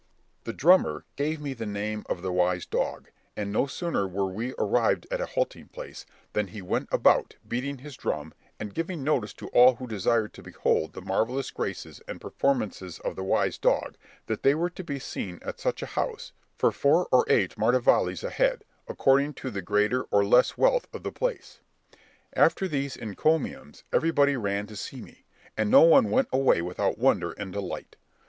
The drummer gave me the name of the wise dog, and no sooner were we arrived at a halting place, than he went about, beating his drum, and giving notice to all who desired to behold the marvellous graces and performances of the wise dog, that they were to be seen at such a house, for four or eight maravedis a head, according to the greater or less wealth of the place. After these encomiums everybody ran to see me, and no one went away without wonder and delight.